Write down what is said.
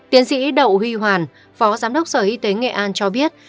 tiến sĩ đậu huy hoàn phó giám đốc sở y tế nghệ an cho biết